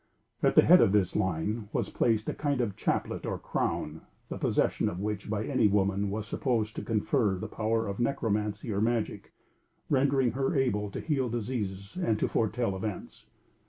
At the head of this line was placed a kind of chaplet, or crown, the possession of which by any woman was supposed to confer the power of necromancy or magic, rendering her able to heal diseases and to foretell events.